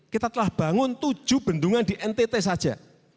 mereka bangun tujuh bendungan di ntt saja